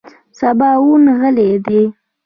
سباوون غلی دی .